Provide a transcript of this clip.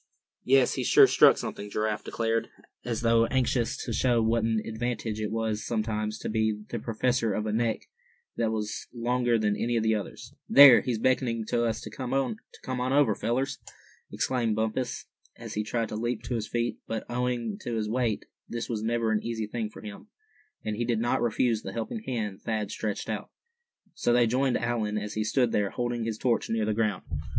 "Yes, he's sure struck something," Giraffe declared, as though anxious to show what an advantage it was sometimes to be the possessor of a neck that was longer than any of the others. "There, he's beckoning to us to come on over, fellers!" exclaimed Bumpus, as he tried to leap to his feet; but, owing to his weight, this was never an easy thing for him, and he did not refuse the helping hand Thad stretched out. So they joined Allan, as he stood there, holding his torch near the ground.